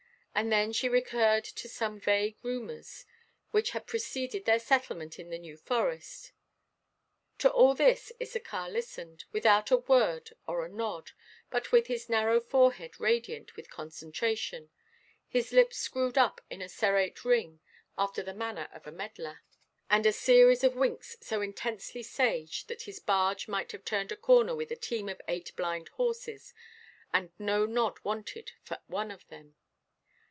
And then she recurred to some vague rumours which had preceded their settlement in the New Forest. To all this Issachar listened, without a word or a nod, but with his narrow forehead radiant with concentration, his lips screwed up in a serrate ring, after the manner of a medlar, and a series of winks so intensely sage that his barge might have turned a corner with a team of eight blind horses, and no nod wanted for one of them.